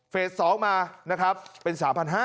๒มานะครับเป็น๓๕๐๐